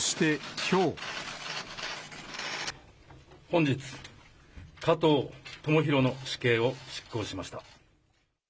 本日、加藤智大の死刑を執行しました。